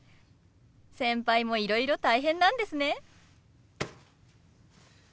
先輩もいろいろ大変なんですね。